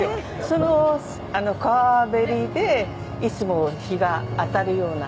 その川べりでいつも日が当たるような。